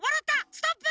ストップ！